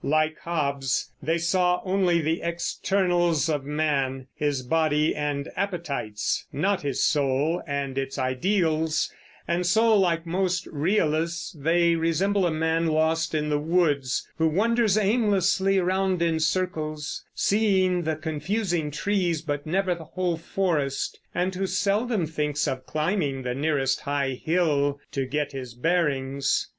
Like Hobbes, they saw only the externals of man, his body and appetites, not his soul and its ideals; and so, like most realists, they resemble a man lost in the woods, who wanders aimlessly around in circles, seeing the confusing trees but never the whole forest, and who seldom thinks of climbing the nearest high hill to get his bearings.